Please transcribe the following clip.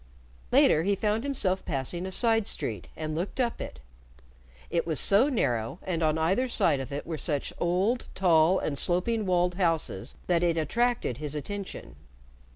Later he found himself passing a side street and looked up it. It was so narrow, and on either side of it were such old, tall, and sloping walled houses that it attracted his attention.